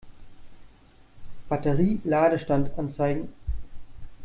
Batterie-Ladestand anzeigen.